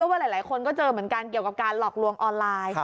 ว่าหลายคนก็เจอเหมือนกันเกี่ยวกับการหลอกลวงออนไลน์